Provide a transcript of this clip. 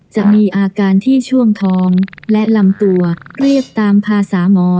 จะมีอาการที่ช่วงท้องและลำตัวเรียบตามภาษาหมอ